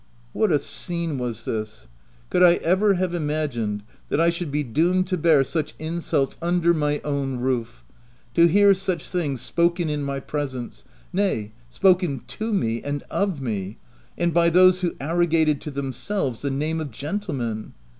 What a scene was this ! Could I ever have imagined that I should be doomed to bear such insults under my own roof — to hear such things spoken in my presence — nay spoken to me and of me — and by those who arrogated to them selves the name of gentlemen